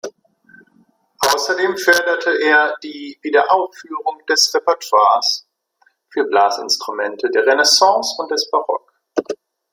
Außerdem förderte er die Wiederaufführung des Repertoires für Blasinstrumente der Renaissance und des Barock.